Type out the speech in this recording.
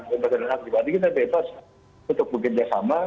bebas dan aktif jadi kita bebas untuk bekerjasama